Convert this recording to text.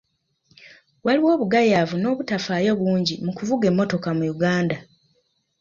Waliwo obugayaavu n'obutafaayo bungi mu kuvuga emmotoka mu Uganda.